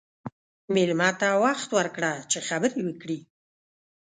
مېلمه ته وخت ورکړه چې خبرې وکړي.